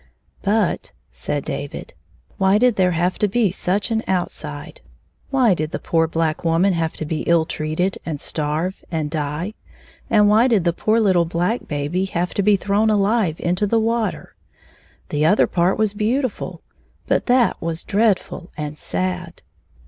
" But," said David, " why did there have to be 55 such an outside ? Why did the poor black woman have to be ill treated, and starve and die, and why did the poor httle. black baby have to be thrown alive into the water 1 The other part was beau tiful, but that was dreadftil and sad."